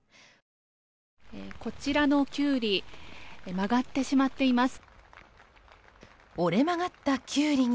こちらのキュウリ曲がってしまっています。